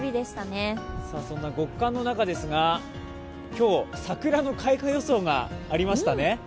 そんな極寒の日でしたが、今日、桜の開花予想がありましたね。